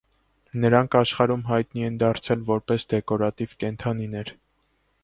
Նրանք աշխարհում հայտնի են դարձել որպես դեկորատիվ կենդանիներ։